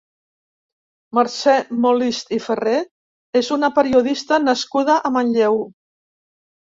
Mercè Molist i Ferrer és una periodista nascuda a Manlleu.